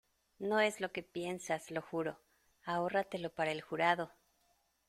¡ No es lo que piensas, lo juro! ¡ ahórratelo para el jurado !